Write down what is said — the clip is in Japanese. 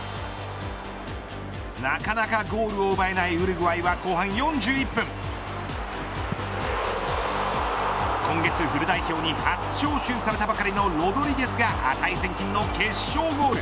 なかなかゴールを奪えないウルグアイは、後半４１分今月フル代表に初招集されたばかりのロドリゲスが値千金の決勝ゴール。